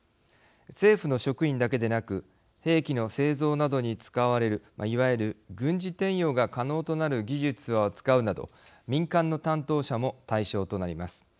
政府の職員だけでなく兵器の製造などに使われるいわゆる軍事転用が可能となる技術を扱うなど民間の担当者も対象となります。